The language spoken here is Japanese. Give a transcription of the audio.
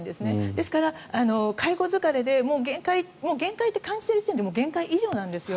ですから、介護疲れでもう限界もう限界って感じてる時点でもう限界以上なんですよ。